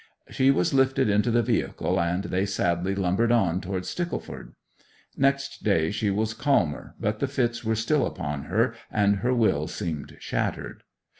She was lifted into the vehicle, and they sadly lumbered on toward Stickleford. Next day she was calmer; but the fits were still upon her; and her will seemed shattered.